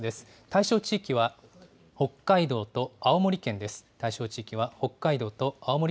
対象地域は北海道と青森県です。